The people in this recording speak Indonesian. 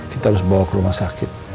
kita harus bawa ke rumah sakit